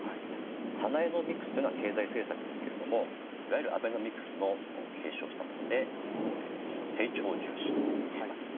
サナエノミクスというのが経済政策ですけれども、いわゆるアベノミクスを継承したもので、成長重視といえます。